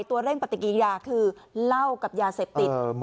ตัวเร่งปฏิกิจยาคือเล่ากับยาเสพติดยาบ้า